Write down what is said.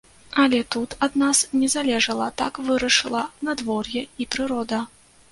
Але тут ад нас не залежала, так вырашыла надвор'е і прырода.